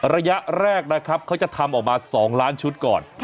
ระยะแรกนะครับเขาจะทำออกมา๒ล้านชุดก่อน